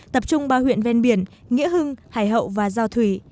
tập trung ba huyện ven biển nghĩa hưng hải hậu và giao thủy